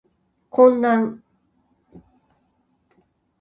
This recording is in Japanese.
混乱